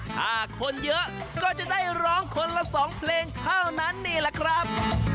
ถ้าคนเยอะก็จะได้ร้องคนละ๒เพลงเท่านั้นนี่แหละครับ